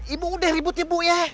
ibu udah ribut ya bu ya